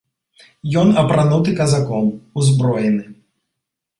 Ён апрануты казаком, узброены.